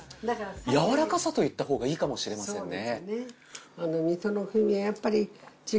やわらかさと言ったほうがいいかもしれませんね。